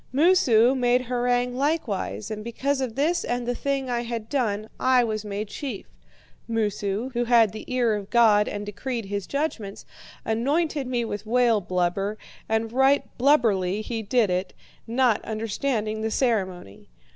Moosu made harangue likewise, and because of this and the thing I had done I was made chief. Moosu, who had the ear of God and decreed his judgments, anointed me with whale blubber, and right blubberly he did it, not understanding the ceremony.